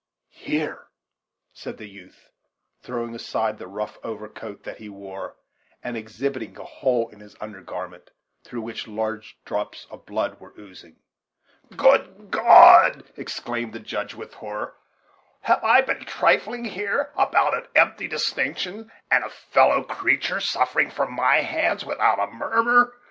"Here," said the youth, throwing aside the rough overcoat that he wore, and exhibiting a hole in his under garment, through which large drops of blood were oozing. "Good God!" exclaimed the Judge, with horror; "have I been trifling here about an empty distinction, and a fellow creature suffering from my hands without a murmur?